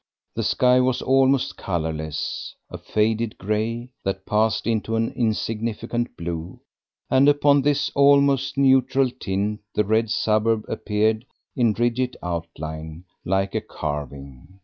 The sky was almost colourless a faded grey, that passed into an insignificant blue; and upon this almost neutral tint the red suburb appeared in rigid outline, like a carving.